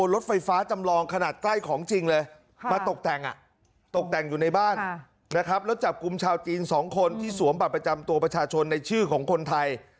แล้วจับกลุ่มชาวจีน๒คนที่สวมบัตรประจำตัวประชาชนในชื่อของคนไทย